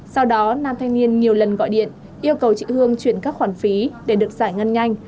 sau đó nam thanh niên nhiều lần gọi điện yêu cầu chị hương chuyển các khoản phí để được giải ngân nhanh